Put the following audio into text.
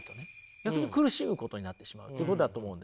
逆に苦しむことになってしまうということだと思うんです。